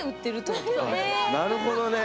なるほどね。